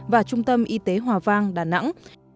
và trung tâm y tế hòa vang đà nẵng